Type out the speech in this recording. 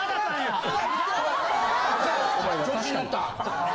調子に乗った。